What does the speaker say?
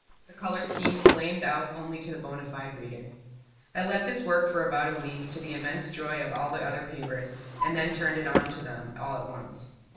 The color scheme flamed out only to the bona fide reader. I let this work for about a week, to the immense joy of all the other papers; and then turned it on to them, all at once.